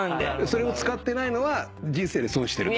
それを使ってないのは人生で損してると？